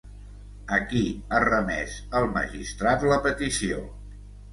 A qui ha remès el magistrat la petició?